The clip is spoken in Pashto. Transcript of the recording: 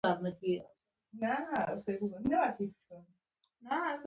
د کمپیوټر زمانه ده.